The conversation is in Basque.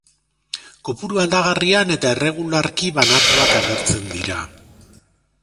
Kopuru aldagarrian eta erregularki banatuak agertzen dira.